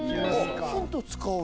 ヒント使う？